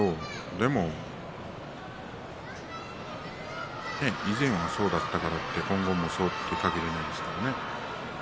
でも以前はそうだったからって今後もそうとは限らないですからね。